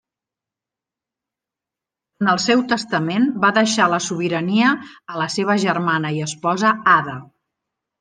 En el seu testament va deixar la sobirania a la seva germana i esposa Ada.